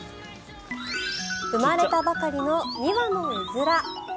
生まれたばかりの２羽のウズラ。